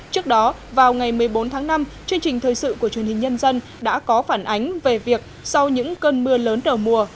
trước đó vào ngày một mươi bốn tháng năm chương trình thời sự của truyền hình nhân dân đã có phản ánh về việc sau những cơn mưa lớn đầu mùa